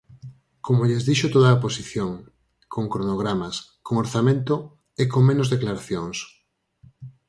Como lles dixo toda a oposición: con cronogramas, con orzamento, e con menos declaracións.